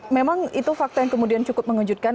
memang itu fakta yang kemudian cukup mengejutkan